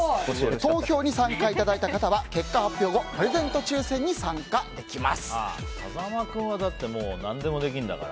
投票に参加いただいた方は結果発表後プレゼント抽選に風間君は何でもできるから。